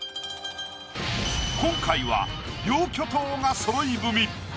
今回は両巨頭がそろい踏み。